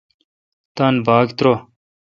تان باگ ترو۔